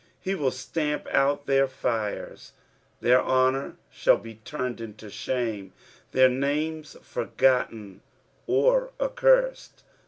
He will stamp out tbeir fires, their honour shall he turned into shame, their names forgotten or accursed.